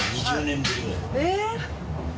えっ！？